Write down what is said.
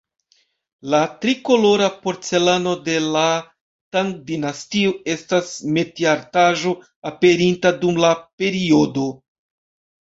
La tri-kolora porcelano de la Tang-dinastio estas metiartaĵo aperinta dum la periodo.